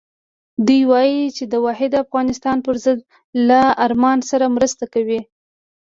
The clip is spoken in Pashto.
دوی وایي چې د واحد افغانستان پر ضد له ارمان سره مرسته کوي.